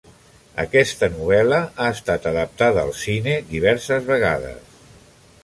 Aquesta novel·la ha estat adaptada al cine diverses vegades.